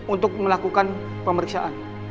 untuk melakukan pemeriksaan